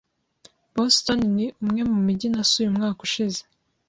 Boston ni umwe mu mijyi nasuye umwaka ushize.